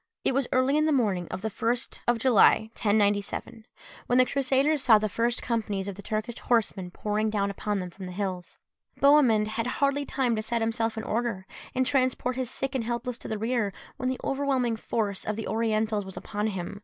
It was early in the morning of the 1st of July 1097, when the Crusaders saw the first companies of the Turkish horsemen pouring down upon them from the hills. Bohemund had hardly time to set himself in order, and transport his sick and helpless to the rear, when the overwhelming force of the Orientals was upon him.